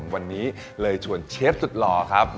วันนี้เลยชวนเชฟสุดหล่อครับ